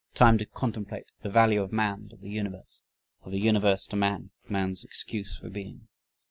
Time to contemplate the value of man to the universe, of the universe to man, man's excuse for being.